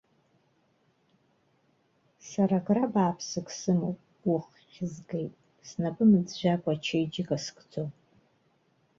Сара гра бааԥсык сымоуп, уххь згеит, снапы мыӡәӡәакәа ачеиџьыка скӡом.